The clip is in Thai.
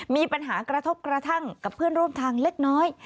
มีปัญหากระทบกระทั่งกับเพื่อนร่วมทางเล็กน้อย